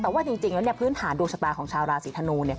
แต่ว่าจริงแล้วพื้นฐานดวงชะตาของชาวราศีธนู